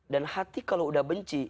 dan hati kalau sudah benci